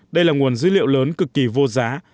đây là nguồn dữ liệu lớn cực kỳ vô giá